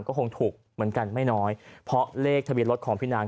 ก็คงถูกเหมือนกันไม่น้อยเพราะเลขทะเบียนรถของพี่นาง